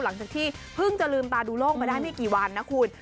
หลังจากที่เพิ่งจะลืมตาดูโลกมาได้ไม่กี่วันนะคุณ